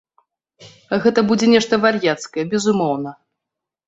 Гэта будзе нешта вар'яцкае, безумоўна.